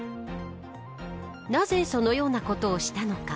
なぜそのようなことをしたのか。